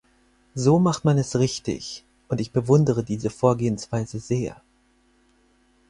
So macht man es richtig, und ich bewundere diese Vorgehensweise sehr.